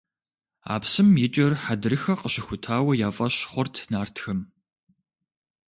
А псым икӀыр Хьэдрыхэ къыщыхутауэ я фӀэщ хъурт нартхэм.